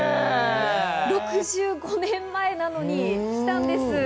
６５年前なのに来たんです。